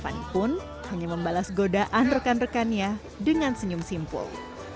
fani pun hanya membalas godaan rekan rekannya dengan senyum simpul